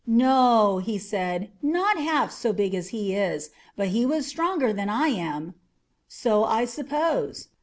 "No," he said; "not half, so big as he is. But he was stronger than I am." "So I suppose.